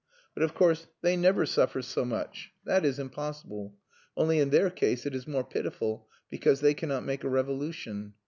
But of course they never suffer so much. That is impossible. Only, in their case it is more pitiful because they cannot make a revolution.